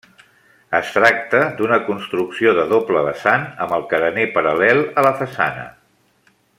Es tracta d'una construcció de doble vessant, amb el carener paral·lel a la façana.